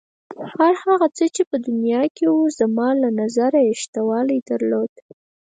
هر هغه څه چې په دنیا کې و زما له نظره یې شتوالی درلود.